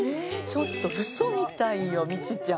ちょっとうそみたいよ、みちゅちゃん。